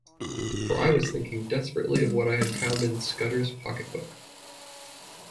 For I was thinking desperately of what I had found in Scudder’s pocket-book.